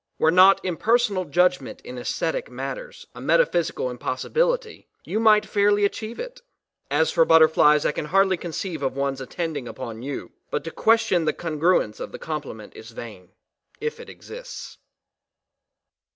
Were not "impersonal judgment in aesthetic matters, a metaphysical impossibility/' you might fairly achieve it. As for butterflies, I can hardly conceive of one's attending upon you, but to question the congruence of the complement is vain, if it exists.